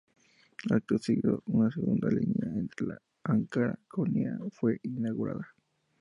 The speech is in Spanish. Acto seguido, una segunda línea entre Ankara y Konya fue inaugurada.